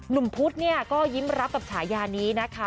พุทธเนี่ยก็ยิ้มรับกับฉายานี้นะคะ